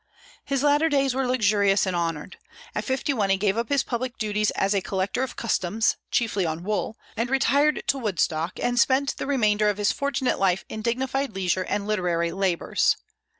His latter days were luxurious and honored. At fifty one he gave up his public duties as a collector of customs, chiefly on wool, and retired to Woodstock and spent the remainder of his fortunate life in dignified leisure and literary labors.